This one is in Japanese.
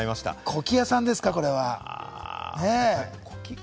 コキアさんですね、これ。